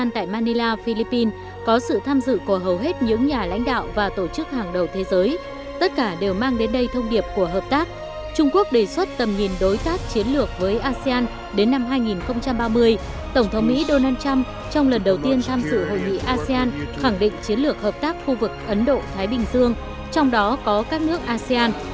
trong lần đầu tiên tham dự hội nghị asean khẳng định chiến lược hợp tác khu vực ấn độ thái bình dương trong đó có các nước asean